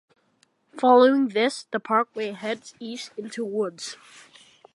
Following this, the parkway heads east into woods.